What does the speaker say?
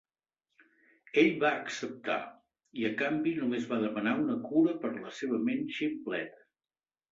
Ell va acceptar, i a canvi només va demanar una cura per la seva ment ximpleta.